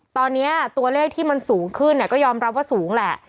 ตอนนี้ตัวเลขที่มันสูงขึ้นก็ยอมรับว่าสูงแหละ